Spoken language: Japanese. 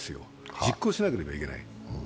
実行しなければいけない。